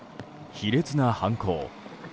卑劣な犯行。